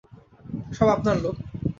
সব আপনার লোক।